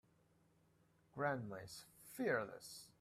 Grandma is fearless.